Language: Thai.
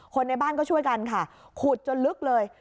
ในบ้านก็ช่วยกันค่ะขุดจนลึกเลย